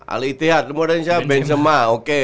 al itihad lo mau dan siapa benzema oke